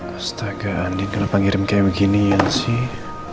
astaga andien kenapa ngirim kayak beginian sih